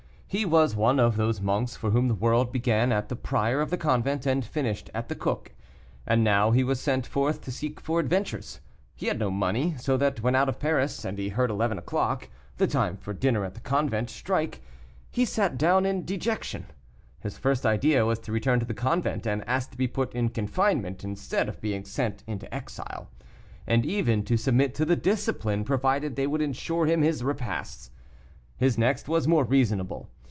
He was one of those monks for whom the world began at the prior of the convent, and finished at the cook. And now he was sent forth to seek for adventures. He had no money; so that when out of Paris and he heard eleven o'clock (the time for dinner at the convent) strike, he sat down in dejection. His first idea was to return to the convent, and ask to be put in confinement, instead of being sent in to exile, and even to submit to the discipline, provided they would insure him his repasts. His next was more reasonable.